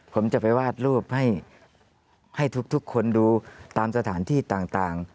ผมจะไปวาดรูปให้ทุกคนดูตามสถานที่ต่าง